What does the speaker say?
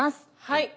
はい。